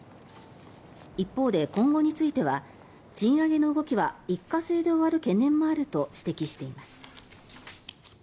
一方で、今後については賃上げの動きは一過性で終わる懸念もあると指摘しています。